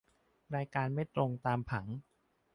รายการไม่ตรงตามผัง